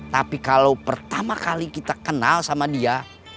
tapi kalau pertama kali kita kenal sama dia